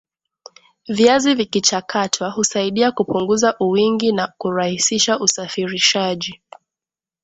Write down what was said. viazi vikichakatwa husaidia Kupunguza uwingi na kurahisisha usafirishaji